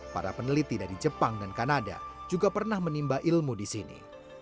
para peneliti dari jepang dan kanada juga pernah menimba ilmu di sini